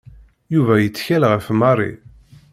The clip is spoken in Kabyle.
Yuba yettkal ɣef Mary.